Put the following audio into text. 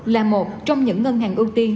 là một trong những ngân hàng ưu tiên